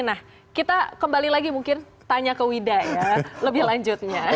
nah kita kembali lagi mungkin tanya ke wida ya lebih lanjutnya